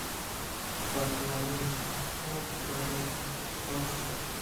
پٹواری! او پٹواری !بوشت